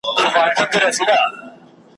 نسیم دي هر سبا راوړلای نوی نوی زېری ,